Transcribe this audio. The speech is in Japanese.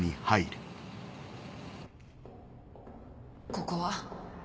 ここは？